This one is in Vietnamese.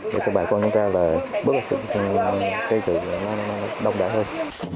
để cho bà quân chúng ta bước vào sự kinh nghiệm cây trị đồng đại hơn